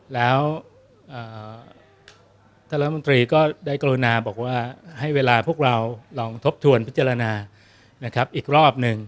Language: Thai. แล้วท่านรัฐมนตรีก็ได้กรุณาบอกว่าให้เวลาพวกเราลองทบทวนพิจารณานะครับอีกรอบหนึ่ง